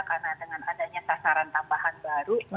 karena dengan adanya sasaran tambahan baru